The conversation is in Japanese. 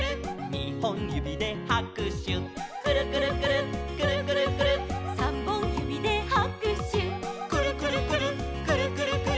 「にほんゆびではくしゅ」「くるくるくるっくるくるくるっ」「さんぼんゆびではくしゅ」「くるくるくるっくるくるくるっ」